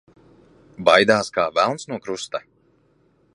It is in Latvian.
Baidās kā velns no krusta.